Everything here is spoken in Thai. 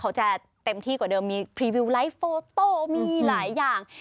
เต็มที่กว่าเดิมมีพรีวิวไลฟ์โฟโต้มีหลายอย่าง